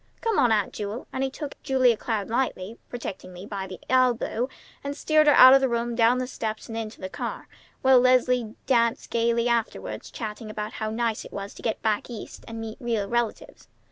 Come on, Aunt Jewel!" And he took Julia Cloud lightly, protectingly by the elbow, and steered her out of the room, down the steps, and into the car, while Leslie danced gayly after, chattering away about how nice it was to get back East and meet real relatives.